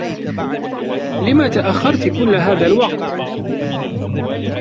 لما تأخّرتِ كلّ هذا الوقت؟